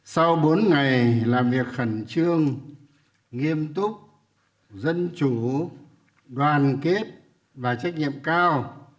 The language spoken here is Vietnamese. sau bốn ngày làm việc khẩn trương nghiêm túc dân chủ đoàn kết và trách nhiệm cao